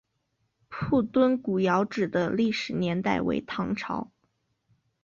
铺墩古窑址的历史年代为唐代。